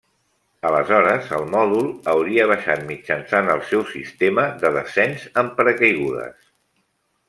Aleshores, el mòdul hauria baixat mitjançant el seu sistema de descens amb paracaigudes.